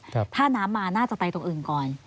ถ้าน้ำมาน่าจะไปตรงอื่นก่อน